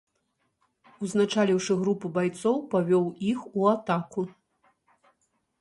Узначаліўшы групу байцоў, павёў іх у атаку.